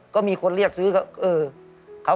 ก็มีคนเรียกซื้อก็เออ